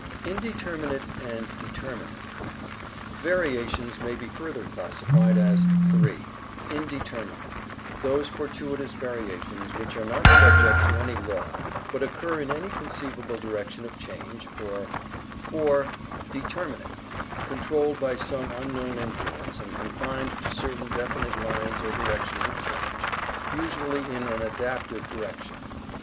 Indeterminate and Determinate. — Variations may be further classified as (3) indeterminate, those fortuitous variations which are not subject to any law but occur in any conceivable direction of change; or (4) determinate, controlled by some unknown in fluence and confined to certain definite lines or directions of change, usually in an adaptive direction.